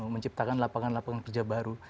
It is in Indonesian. menciptakan lapangan lapangan kerja baru